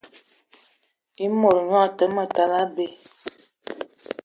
I mot gnion a te ma tal abei